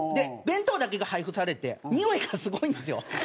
弁当だけが配布されてにおいがすごいんですよ。